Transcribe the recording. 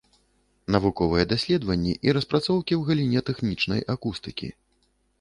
Навуковыя даследаванні і распрацоўкі ў галіне тэхнічнай акустыкі.